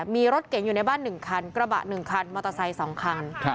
มีรถเก๋งอยู่ในบ้าน๑คันกระบะ๑คันมอเตอร์ไซค์๒คัน